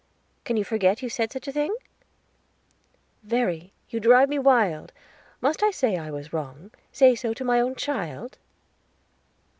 Can you forget you said such a thing?" "Verry, you drive me wild. Must I say that I was wrong? Say so to my own child?"